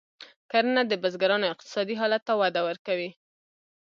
کرنه د بزګرانو اقتصادي حالت ته وده ورکوي.